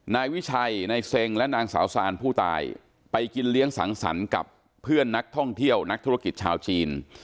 นายวิชัยนายเซ็งและนางสาวซานผู้ตายไปกินเลี้ยงสังสรรค์กับเพื่อนนักท่องเที่ยวนักธุรกิจชาวจีน